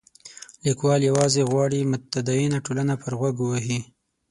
لیکوال یوازې غواړي متدینه ټولنه پر غوږ ووهي.